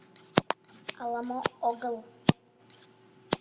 Ала-мо огыл.